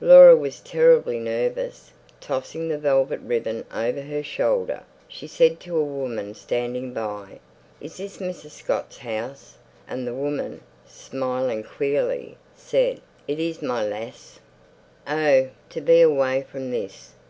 Laura was terribly nervous. Tossing the velvet ribbon over her shoulder, she said to a woman standing by, "Is this Mrs. Scott's house?" and the woman, smiling queerly, said, "It is, my lass." Oh, to be away from this!